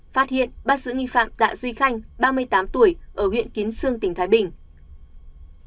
phát hiện bắt giữ nghi phạm tạ duy khanh ba mươi tám tuổi ở huyện kiến sương tỉnh thái bình